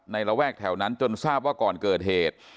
ระแวกแถวนั้นจนทราบว่าก่อนเกิดเหตุ